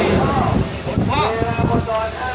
ยิง